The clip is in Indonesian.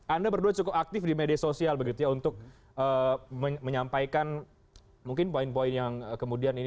anda berdua cukup aktif di media sosial begitu ya untuk menyampaikan mungkin poin poin yang kemudian ini